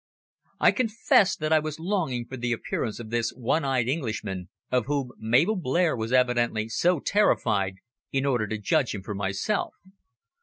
I confess that I was longing for the appearance of this one eyed Englishman of whom Mabel Blair was evidently so terrified, in order to judge him for myself.